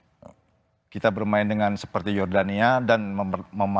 jadi kita bermain dengan seperti jordania dan memanfaatkan celah celah